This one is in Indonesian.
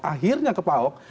akhirnya ke pak ahok